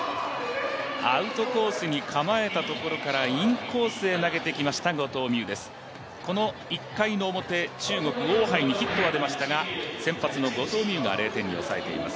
アウトコースに構えたところからインコースに投げてきました後藤希友です、この１回の表中国・王ハイにヒットは出ましたが先発の後藤希友が０点に抑えています。